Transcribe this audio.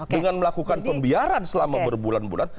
dengan melakukan pembiaran selama berbulan bulan